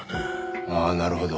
ああなるほど。